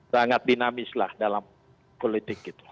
sangat dinamis lah dalam politik kita